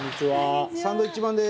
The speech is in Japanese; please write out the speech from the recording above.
サンドウィッチマンです！